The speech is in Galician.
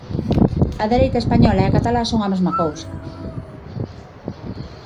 A dereita española e catalá son a mesma cousa.